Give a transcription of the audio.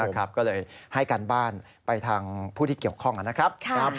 ก็เลยให้การบ้านไปทางผู้ที่เกี่ยวข้องนะครับ